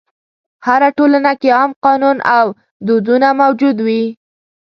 هره ټولنه کې عام قانون او دودونه موجود وي.